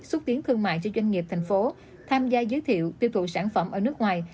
xúc tiến thương mại cho doanh nghiệp thành phố tham gia giới thiệu tiêu thụ sản phẩm ở nước ngoài